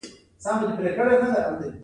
د مامورینو د کاري وړتیاوو لوړول هدف دی.